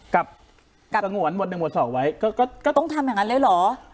ก็ต้องทำอย่างนั้นเลยหรอ